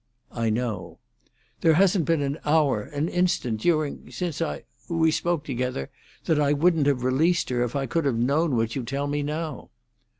"I know." "There hasn't been an hour, an instant, during—since I—we—spoke together that I wouldn't have released her if I could have known what you tell me now."